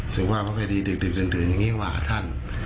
สุขภาพไม่ค่อยดีดึกดื่นอย่างนี้ก็มาหาท่าน